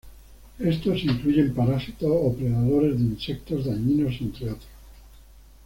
Estos incluyen parásitos o predadores de insectos dañinos entre otros.